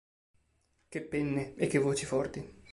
Che penne e che voci forti!